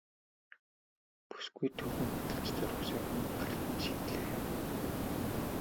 Бүсгүй түргэн хөдөлж зурвасыг гарт нь шидлээ.